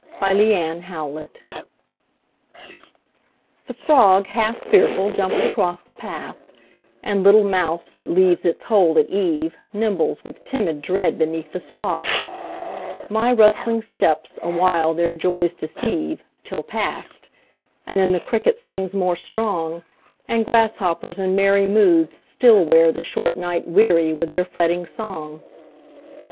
Summer Evening The frog half fearful jumps across the path, And little mouse that leaves its hole at eve Nimbles with timid dread beneath the swath; My rustling steps awhile their joys deceive, Till past, and then the cricket sings more strong, And grasshoppers in merry moods still wear The short night weary with their fretting song.